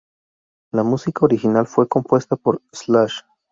La música original fue compuesta por Slash.